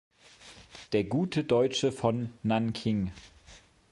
Der gute Deutsche von Nanking.